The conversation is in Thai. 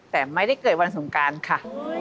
แต่ไม่ได้เกิดวันสงการค่ะ